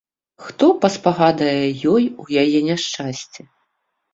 Хто паспагадае ёй у яе няшчасці?